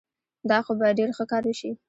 دا خو به ډېر ښه کار وشي.